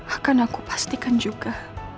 akan aku pastikan juga